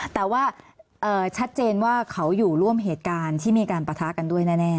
แต่ว่าชัดเจนว่าเขาอยู่ร่วมเหตุการณ์ที่มีการปะทะกันด้วยแน่